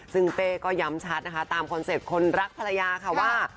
ซึ่งเป้ก็ย้ำชัดนะคะตามคอนเซ็ปต์คนรักภรรยาค่ะว่า